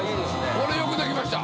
これよくできました